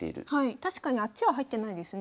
確かにあっちは入ってないですね。